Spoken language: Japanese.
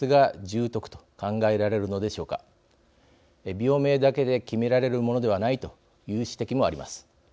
病名だけで決められるものではないという指摘もあります。